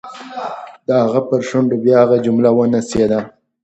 د هغه پر شونډو بیا هغه جمله ونڅېده.